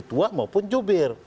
ketua maupun jubir